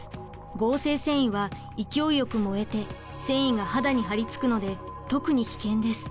合成繊維は勢いよく燃えて繊維が肌にはりつくので特に危険です。